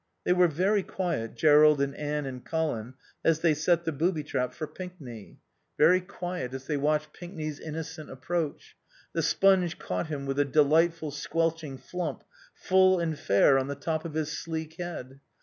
They were very quiet, Jerrold and Anne and Colin, as they set the booby trap for Pinkney. Very quiet as they watched Pinkney's innocent approach. The sponge caught him with a delightful, squelching flump full and fair on the top of his sleek head.